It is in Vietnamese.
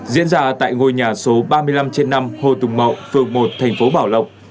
diễn ra tại ngôi nhà số ba mươi năm trên năm hồ tùng mậu phường một thành phố bảo lộc